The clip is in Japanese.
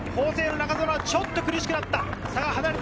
法政の中園はちょっと苦しくなった。